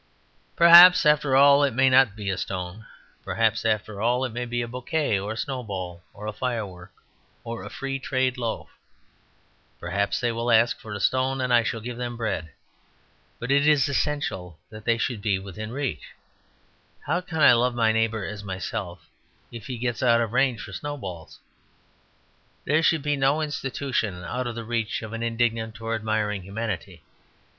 Perhaps, after all, it may not be a stone. Perhaps, after all, it may be a bouquet, or a snowball, or a firework, or a Free Trade Loaf; perhaps they will ask for a stone and I shall give them bread. But it is essential that they should be within reach: how can I love my neighbour as myself if he gets out of range for snowballs? There should be no institution out of the reach of an indignant or admiring humanity.